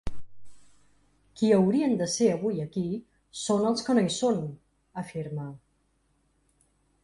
Qui haurien de ser avui aquí són els que no hi són, afirma.